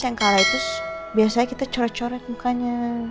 yang kalah itu biasanya kita corek corek mukanya